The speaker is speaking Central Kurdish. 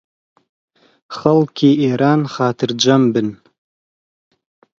خەڵکی ئێران خاترجەم بن